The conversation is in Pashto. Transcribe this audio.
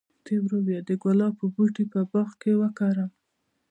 د ګلابو بوټي په باغ کې وکرم؟